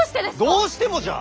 どうしてもじゃ！